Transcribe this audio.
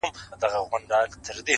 نه مي علم نه دولت سي ستنولای!.